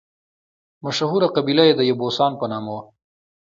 مشهوره قبیله یې د یبوسان په نامه وه.